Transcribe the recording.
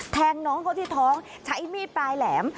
แทงน้องเขาที่ท้องใช้มีดปลายแหลม